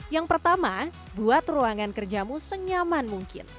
yang pertama buat ruangan kerjamu senyaman mungkin